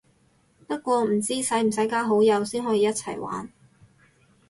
不過唔知使唔使加好友先可以一齊玩